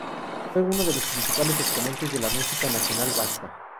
Fue uno de los principales exponentes de la música nacional vasca.